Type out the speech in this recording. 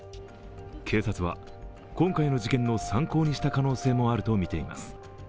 警察は今回の事件の参考にした可能性もあるとみています。